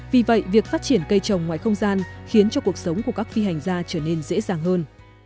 vì vậy việc phát triển cây trồng ngoài không gian khiến cho cuộc sống của các phi hành gia trở nên dễ dàng hơn